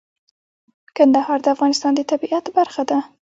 کندهار د افغانستان د طبیعت برخه ده.